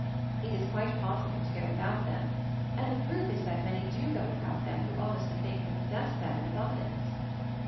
It is quite possible to go without them; and the proof is that many do go without them who honestly think to possess them in abundance.